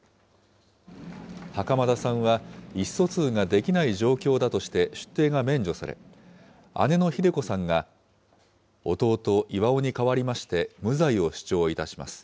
袴田さんは、意思疎通ができない状況だとして出廷が免除され、姉のひで子さんが、弟、巌に代わりまして無罪を主張いたします。